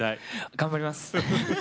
頑張ります。